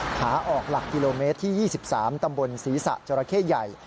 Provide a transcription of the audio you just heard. ขาออกหลักกิโลเมตรที่๒๓ตำบลศรีษะจราเข้ใหญ่